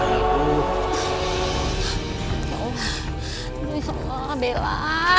aduh insya allah bella